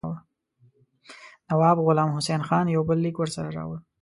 نواب غلام حسین خان یو بل لیک ورسره راوړ.